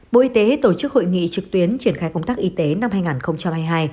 bộ y tế tổ chức hội nghị trực tuyến triển khai công tác y tế năm hai nghìn hai mươi hai